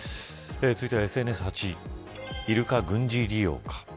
続いてはＳＮＳ、８位イルカ軍事利用か。